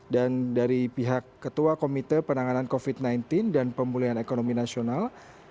dan dari pihak ketua komite penanganan covid sembilan belas dan pemulihan ekonomi nasional